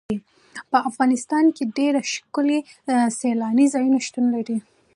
په افغانستان کې ډېر ښکلي سیلاني ځایونه شتون لري.